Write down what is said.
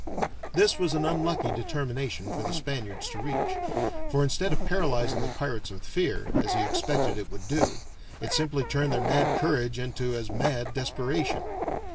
That was an unlucky determination for the Spaniards to reach, for instead of paralyzing the pirates with fear, as he expected it would do, it simply turned their mad courage into as mad desperation.